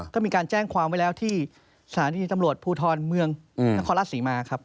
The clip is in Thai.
ก็มีการแจ้งความไว้แล้วที่สถานีตำรวจภูทรเมืองนครราชศรีมาครับ